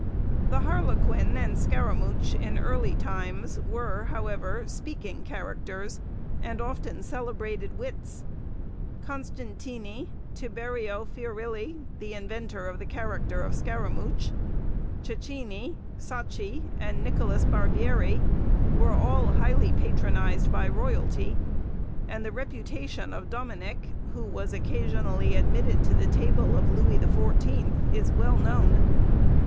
The harlequin and scaramouch in early times were, however, speaking characters, and often celebrated wits. Constantini, Tiberio Fiurilli (the inventor of the character of scaramouch), Cecchini, Sacchi, and Nicholas Barbieri, were all highly patronised by royalty; and the reputation of Domenic, who was occasionally admitted to the table of Louis the Fourteenth, is well known.